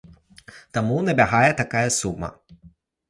Таму набягае такая сума.